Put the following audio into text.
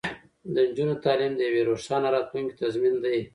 د نجونو تعلیم د یوې روښانه راتلونکې تضمین دی.